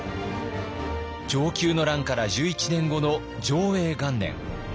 承久の乱から１１年後の貞永元年。